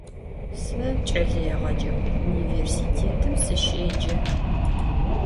Se ç'eleêğece vunivêrsitêtım sışêce.